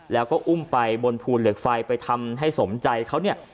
แล้วก็อุ้มไปบนภูเหล็กไฟไปทำให้สมใจเขาเนี่ย